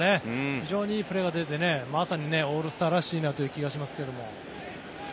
非常にいいプレーが出てまさにオールスターらしいなという気がしますけど。